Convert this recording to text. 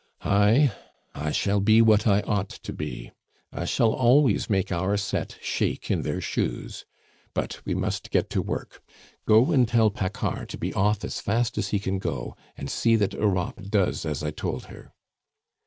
"I I shall be what I ought to be. I shall always make our set shake in their shoes. But we must get to work. Go and tell Paccard to be off as fast as he can go, and see that Europe does as I told her."